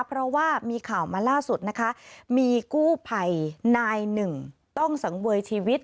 เพราะว่ามีข่าวมาล่าสุดนะคะมีกู้ภัยนายหนึ่งต้องสังเวยชีวิต